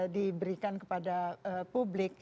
diberikan kepada publik